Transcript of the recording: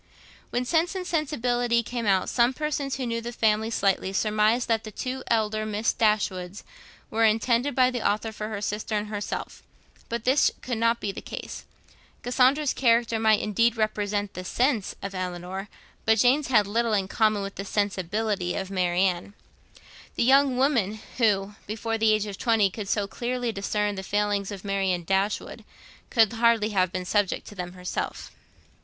When 'Sense and Sensibility' came out, some persons, who knew the family slightly, surmised that the two elder Miss Dashwoods were intended by the author for her sister and herself; but this could not be the case. Cassandra's character might indeed represent the 'sense' of Elinor, but Jane's had little in common with the 'sensibility' of Marianne. The young woman who, before the age of twenty, could so clearly discern the failings of Marianne Dashwood, could hardly have been subject to them herself.